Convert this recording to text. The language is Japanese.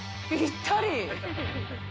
ぴったり。